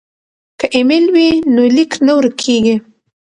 که ایمیل وي نو لیک نه ورک کیږي.